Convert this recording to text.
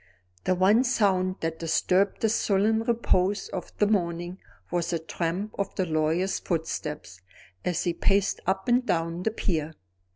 The one sound that disturbed the sullen repose of the morning was the tramp of the lawyer's footsteps, as he paced up and down the pier.